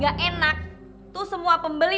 gak enak tuh semua pembeli